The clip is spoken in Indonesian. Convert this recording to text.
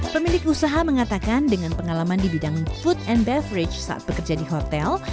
pemilik usaha mengatakan dengan pengalaman di bidang food and beverage saat bekerja di hotel